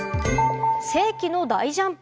世紀の大ジャンプ！？